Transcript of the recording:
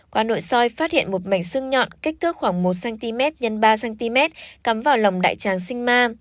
qua nội soi phát hiện một mảnh xương nhọn kích thước khoảng một cm x ba cm cắm vào lòng đại tràng sinh ma